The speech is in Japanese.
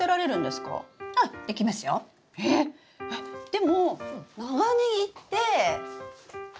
でも長ネギって。